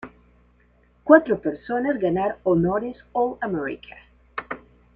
Cuatro personas ganar honores All-America.